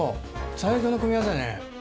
最強の組み合わせやね。